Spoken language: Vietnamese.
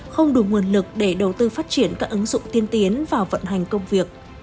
không đủ nguồn lực để đầu tư phát triển các ứng dụng tiên tiến vào vận hành công việc